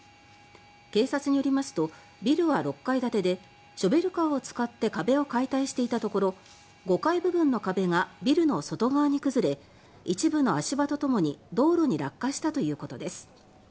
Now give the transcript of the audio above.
警察によりますとビルは６階建てでショベルカーを使って壁を解体していたところ５階部分の壁がビルの外側に崩れ一部の足場とともに道路に落下したということです。